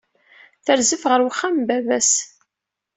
Terzef ɣeṛ wexxam n baba-s.